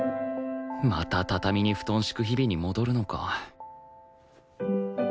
また畳に布団敷く日々に戻るのか